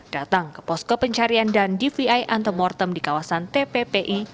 datang ke posko pencarian dan dvi antemortem di kawasan tppi